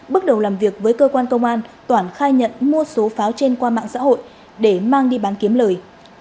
bước đầu làm việc với cơ quan công an toản khai nhận mua số pháo trên qua mạng xã hội để mang đi bán kiếm lời